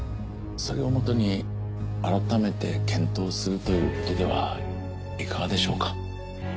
それをもとに改めて検討するということではいかがでしょうか。